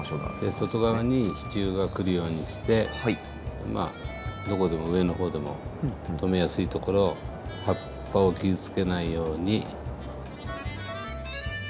外側に支柱が来るようにしてどこでも上の方でも留めやすいところを葉っぱを傷つけないように。